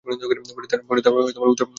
পরে তারা উত্তরপাড়ায় চলে আসেন।